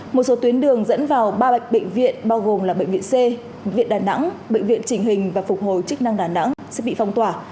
một số tuyến đường dẫn vào ba bệnh viện bao gồm là bệnh viện c viện đà nẵng bệnh viện chỉnh hình và phục hồi chức năng đà nẵng sẽ bị phong tỏa